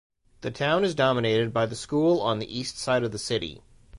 The town is dominated by the school on the east side of the city.